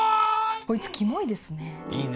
こいつキモいですねいいね